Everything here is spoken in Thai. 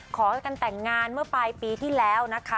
ขอกันแต่งงานเมื่อปลายปีที่แล้วนะคะ